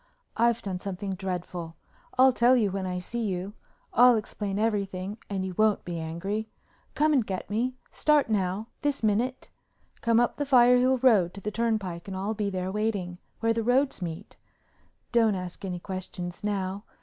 I've done something dreadful. I'll tell you when I see you. I'll explain everything and you won't be angry. Come and get me—start now, this minute. Come up the Firehill Road to the Turnpike and I'll be there waiting, where the roads meet. Don't ask any questions now.